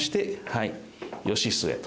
はい「義季」と。